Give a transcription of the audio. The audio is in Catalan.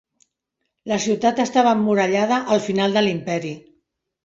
La ciutat estava emmurallada al final de l'imperi.